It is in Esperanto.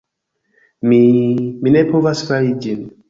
Mi... mi ne povas fari ĝin.